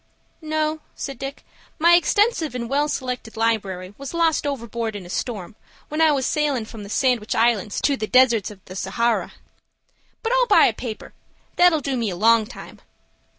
"No," said Dick. "My extensive and well selected library was lost overboard in a storm, when I was sailin' from the Sandwich Islands to the desert of Sahara. But I'll buy a paper. That'll do me a long time."